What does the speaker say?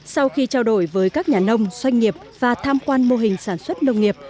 sau khi trao đổi với các nhà nông doanh nghiệp và tham quan mô hình sản xuất nông nghiệp